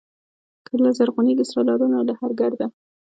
کله زرغونېږي سره لاله له هره ګرده